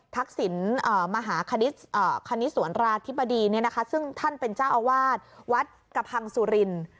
ศิลป์มหาคณิสวนราธิบดีซึ่งท่านเป็นเจ้าอาวาสวัดกระพังสุรินทร์